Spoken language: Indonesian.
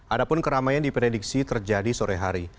ada pun keramaian diprediksi terjadi sore hari